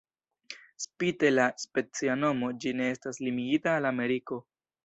Spite la specia nomo, ĝi ne estas limigita al Ameriko.